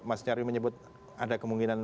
mas nyarwi menyebut ada kemungkinan